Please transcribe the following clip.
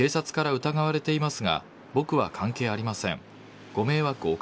あと宮本容疑者が警察から疑われていますが僕は関係ありません。